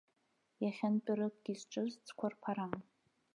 Иахьантәарак изҿыз цәқәырԥаран.